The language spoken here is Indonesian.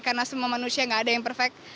karena semua manusia gak ada yang perfect